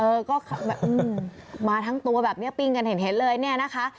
เออมาทั้งตัวแบบนี้ปิงกันเห็นเลยนะคะ